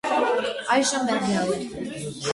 Այժմ մեռյալ է։